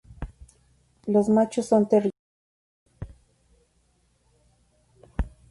Los machos son territoriales.